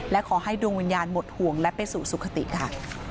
และขอให้ดวงวิญญาณหมดห่วงและไปสู่สุขติค่ะ